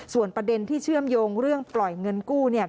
ส่วนประเด็นที่เชื่อมโยงเรื่องปล่อยเงินกู้เนี่ย